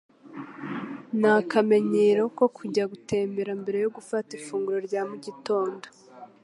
Ni akamenyero ko kujya gutembera mbere yo gufata ifunguro rya mu gitondo.